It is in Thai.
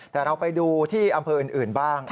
แต่เราไปดูที่อำเภออื่นบ้าง